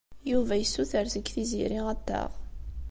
Yuba yessuter seg Tiziri ad t-taɣ.